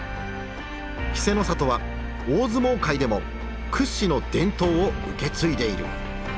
稀勢の里は大相撲界でも屈指の伝統を受け継いでいる。